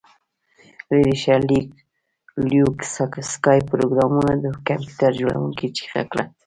لیرې شه لیوک سکای پروګرامر د کمپیوټر جوړونکي چیغه کړه